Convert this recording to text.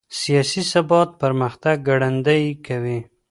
سياسي ثبات پرمختګ ګړندی کوي.